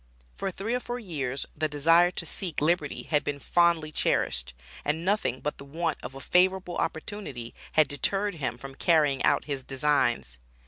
For three or four years the desire to seek liberty had been fondly cherished, and nothing but the want of a favorable opportunity had deterred him from carrying out his designs.